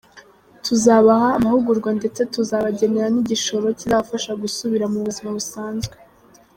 Tuzabaha amahugurwa ndetse tuzabagenera n’igishoro kizabafasha gusubira mu buzima busanzwe.